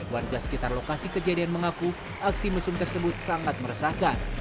warga sekitar lokasi kejadian mengaku aksi mesum tersebut sangat meresahkan